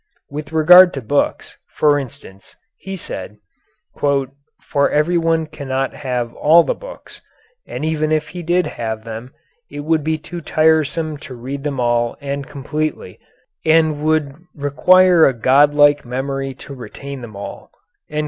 With regard to books, for instance, he said, "for everyone cannot have all the books, and even if he did have them it would be too tiresome to read them all and completely, and it would require a godlike memory to retain them all."